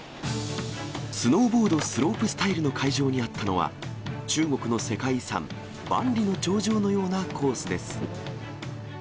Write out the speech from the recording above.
スノーボードスロープスタイルの会場にあったのは、中国の世界遺産、万里の長城のようなコースです。